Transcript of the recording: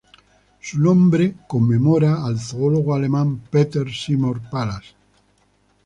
Su nombre conmemora al zoólogo alemán Peter Simon Pallas.